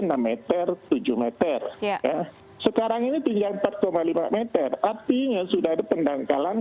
nah pemerintah harusnya melakukan pengerukan